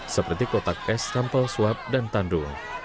seperti kotak es sampel swab dan tandu